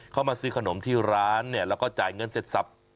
มาซื้อขนมที่ร้านเนี่ยแล้วก็จ่ายเงินเสร็จสับ